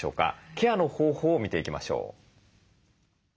ケアの方法を見ていきましょう。